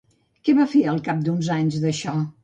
Què va fer al cap d'uns anys d'això?